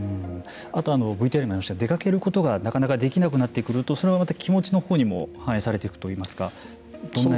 あとＶＴＲにもありましたが出かけることがなかなかできなくなってくると気持ちのほうにもあるといいますか。